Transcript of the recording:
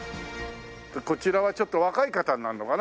こちらはちょっと若い方になるのかな？